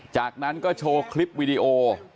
จากนั้นก็โชว์คลิปวิดีโอ